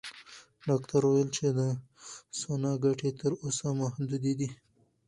ډاکټره وویل چې د سونا ګټې تر اوسه محدودې دي.